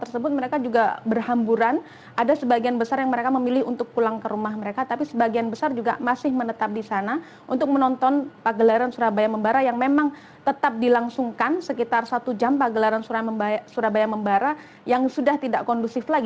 selamat malam eka